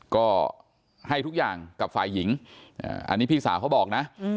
ก็ให้ทุกอย่างกับฝ่ายหญิงอันนี้พี่สาวเขาบอกนะ